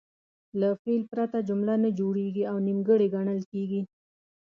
له فعل پرته جمله نه جوړیږي او نیمګړې ګڼل کیږي.